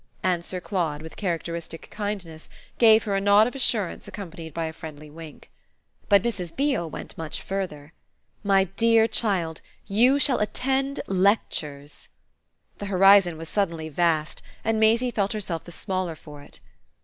And Sir Claude, with characteristic kindness, gave her a nod of assurance accompanied by a friendly wink. But Mrs. Beale went much further. "My dear child, you shall attend lectures." The horizon was suddenly vast and Maisie felt herself the smaller for it.